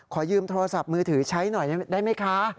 ขอยืมโทรศัพท์มือถือใช้หน่อยได้ไหมคะ